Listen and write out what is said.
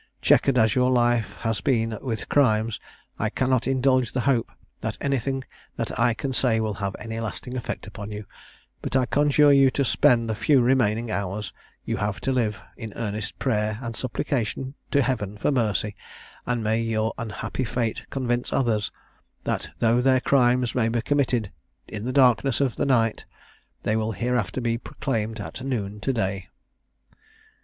Chequered as your life has been with crimes, I cannot indulge the hope, that anything that I can say will have any lasting effect upon you; but I conjure you to spend the few remaining hours you have to live, in earnest prayer and supplication to Heaven for mercy; and may your unhappy fate convince others, that though their crimes may be committed in the darkness of the night, they will hereafter be proclaimed at noon day."